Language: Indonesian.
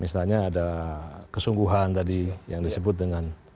misalnya ada kesungguhan tadi yang disebut dengan